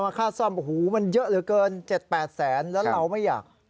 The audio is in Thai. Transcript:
ก็มาค่าซ่อมอู้มันเยอะเหลือเกิน๗๐๐๐๐๐๘๐๐๐๐๐บาทแล้วเราไม่อยาก